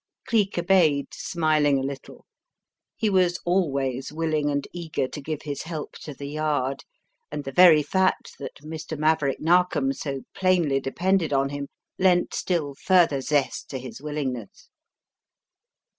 Cleek obeyed, smiling a little. He was always willing and eager to give his help to the Yard, and the very fact that Mr. Maverick Narkom so plainly depended on him lent still further zest to his willing ness.